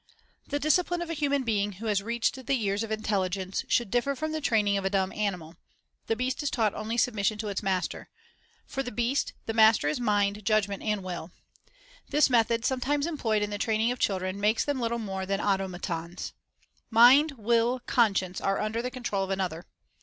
The discipline of a human being who has reached the years of intelligence should differ from the training of a dumb animal. The beast is taught only submission to its master. For the beast, the master is mind, judgment, and will. This method, sometimes employed in the training of children, makes them little more than automatons. Mind, will, con science, are under the control of another.